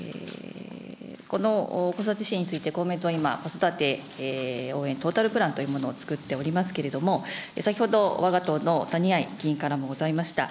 この子育て支援について、公明党は今、子育て応援トータルプランというものをつくっておりますけれども、先ほどわが党の谷合議員からもございました。